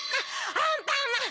アンパンマン！